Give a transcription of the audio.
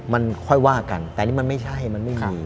มันค่อยว่ากันแต่นี่มันไม่ใช่มันไม่มี